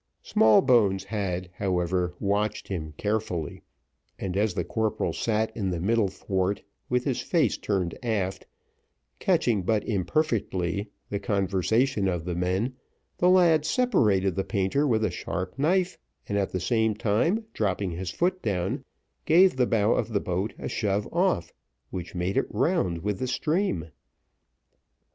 Smallbones had, however, watched him carefully, and as the corporal sat in the middle thwart, with his face turned aft, catching but imperfectly the conversation of the men, the lad separated the painter with a sharp knife, and at the same time dropping his foot down, gave the bow of the boat a shove off, which made it round with the stream.